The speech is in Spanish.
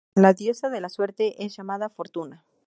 La "Diosa de la Suerte" es llamada Fortuna.